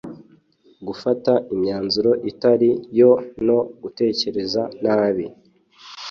Gufata imyanzuro itari yo no gutekereza nabi